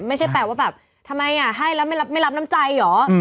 ไม่ใช่แปลว่าแบบทำไมให้แล้วไม่รับน้ำใจเหรอ